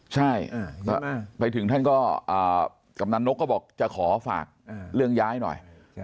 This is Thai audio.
ใช่ไปถึงท่านก็กำนันนกก็บอกจะขอฝากเรื่องย้ายหน่อย